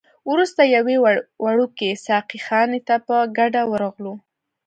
وروسته یوې وړوکي ساقي خانې ته په ګډه ورغلو.